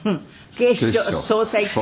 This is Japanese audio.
「『警視庁捜査一課９係』」